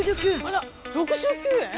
あらっ６９円！？